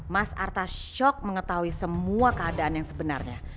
mas arta shock mengetahui semua keadaan yang sebenarnya